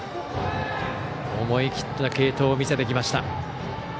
思い切った継投を見せてきました。